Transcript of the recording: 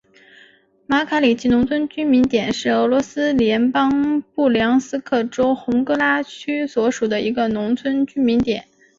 马卡里奇农村居民点是俄罗斯联邦布良斯克州红戈拉区所属的一个农村居民点。